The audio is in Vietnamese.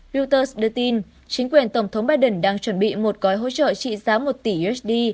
reuters đưa tin chính quyền tổng thống biden đang chuẩn bị một gói hỗ trợ trị giá một tỷ usd